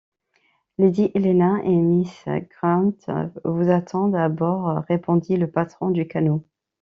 Lady Helena et miss Grant vous attendent à bord, répondit le patron du canot.